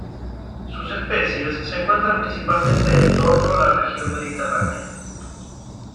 Sus especies se encuentran principalmente en torno a la región mediterránea.